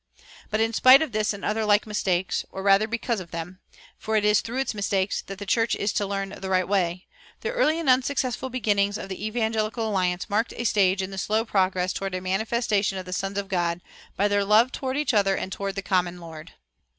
"[409:1] But in spite of this and other like mistakes, or rather because of them (for it is through its mistakes that the church is to learn the right way), the early and unsuccessful beginnings of the Evangelical Alliance marked a stage in the slow progress toward a "manifestation of the sons of God" by their love toward each other and toward the common Lord.